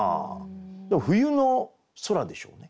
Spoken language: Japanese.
冬の空でしょうね。